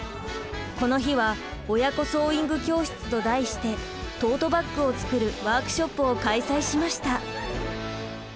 この日は親子ソーイング教室と題してトートバッグを作るワークショップを開催しました。